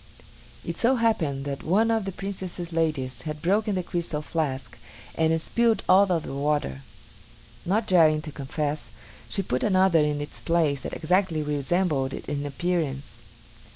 It so happened that one of the Princess's ladies had broken the crystal flask and spilled all of the water. Not daring to confess, she put another in its place that exactly resembled it in appearance.